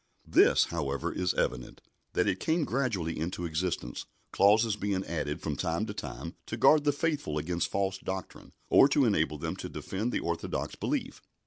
This, however, is evident, that it came gradually into existence, clauses being added from time to time to guard the faithful against false doctrine, or to enable them to defend the orthodox belief.